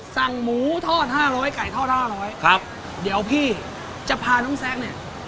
สั่งหมูทอดห้าร้อยไก่ทอดห้าร้อยครับเดี๋ยวพี่จะพาน้องแซคเนี่ย